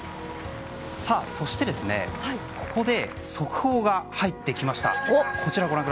そして、ここで速報が入ってきました。